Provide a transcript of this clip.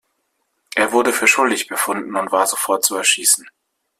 Er wurde für schuldig befunden und war sofort zu erschießen.